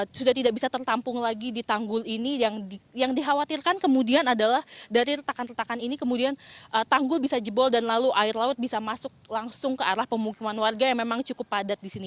sudah tidak bisa tertampung lagi di tanggul ini yang dikhawatirkan kemudian adalah dari retakan retakan ini kemudian tanggul bisa jebol dan lalu air laut bisa masuk langsung ke arah pemukiman warga yang memang cukup padat di sini